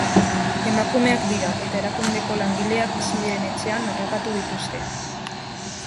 Emakumeak dira eta erakundeko langileak bizi diren etxean harrapatu dituzte.